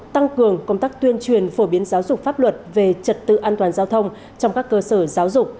tăng cường công tác tuyên truyền phổ biến giáo dục pháp luật về trật tự an toàn giao thông trong các cơ sở giáo dục